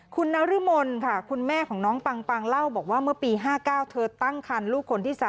คุณนรมนค่ะคุณแม่ของน้องปังเล่าบอกว่าเมื่อปี๕๙เธอตั้งคันลูกคนที่๓